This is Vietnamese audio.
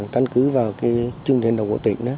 tăng cứ vào trưng tên đầu của tỉnh